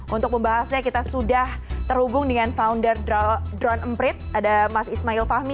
untuk membahasnya kita sudah terhubung dengan founder drone emprit ada mas ismail fahmi